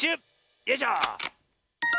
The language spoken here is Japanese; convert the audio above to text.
よいしょ。